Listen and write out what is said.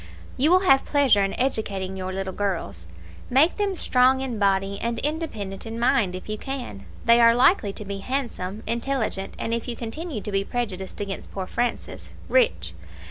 "You will have pleasure in educating your little girls. Make them strong in body and independent in mind if you can. They are likely to be handsome, intelligent, and, if you continue to be prejudiced against poor Francis, rich.